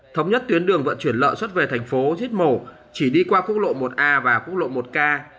thống nhất tuyến đường vận chuyển lợn xuất về thành phố giết mổ chỉ đi qua quốc lộ một a và quốc lộ một k